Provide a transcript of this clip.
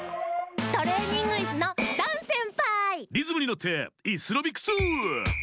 トレーニングイスのリズムにのってイスロビクスー！